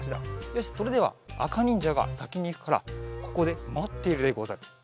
よしそれではあかにんじゃがさきにいくからここでまっているでござる。